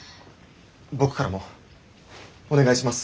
僕からもお願いします。